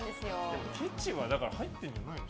でもケチは入ってるんじゃないの？